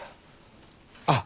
あっ。